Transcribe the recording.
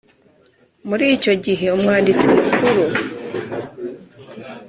Muri icyo gihe umwanditsi mukuru